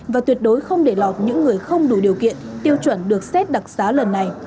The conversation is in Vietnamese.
và tuyệt đối không để lọt những người không đủ điều kiện tiêu chuẩn được xét đặc xá lần này